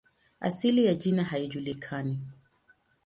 Asili ya jina haijulikani.